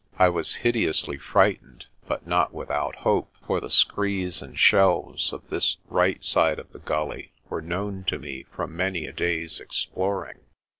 I was hideously frightened, but not without hope, for the screes and shelves of this right side of the gully were known to me from many a day's exploring.